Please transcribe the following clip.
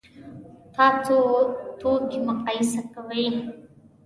تاسو توکي مقایسه کوئ؟